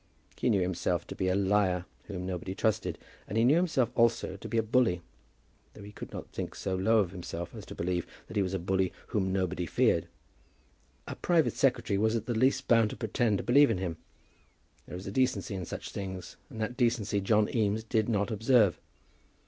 He knew himself to be a liar whom nobody trusted. And he knew himself also to be a bully, though he could not think so low of himself as to believe that he was a bully whom nobody feared. A private secretary was at the least bound to pretend to believe in him. There is a decency in such things, and that decency John Eames did not observe.